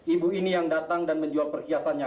ibu ini yang datang dan menjual perhiasannya